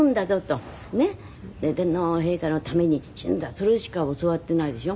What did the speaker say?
それしか教わっていないでしょ。